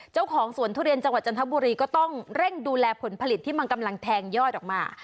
เจ้าของสวนทุเรียนจังหวัดจันทบุรีก็ต้องเร่งดูแลผลผลิตที่มันกำลังแทงยอดออกมา